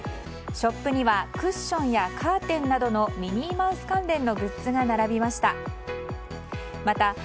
ショップにはクッションやカーテンなどのミニーマウス関連のグッズが並びました。